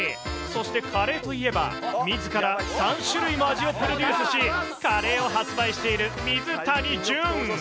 そしてカレーといえば、みずから３種類の味をプロデュースし、カレーを発売している水谷隼。